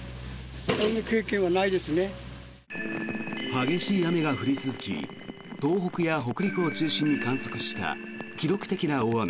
激しい雨が降り続き東北や北陸を中心に観測した記録的な大雨。